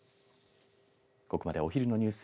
ここまでお昼のニュース